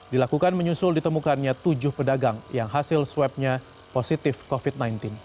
dilakukan menyusul ditemukannya tujuh pedagang yang hasil swabnya positif covid sembilan belas